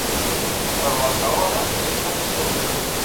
Però la segona és molt millor.